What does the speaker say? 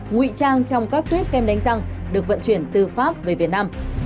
nguy trang trong các tuyếp kem đánh răng được vận chuyển từ pháp về việt nam